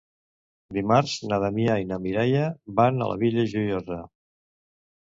Dimarts na Damià i na Mireia van a la Vila Joiosa.